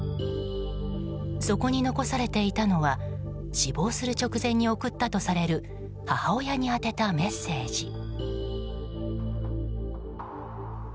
そこに残されていたのは死亡する直前に送ったとされる母親に宛てたメッセージ。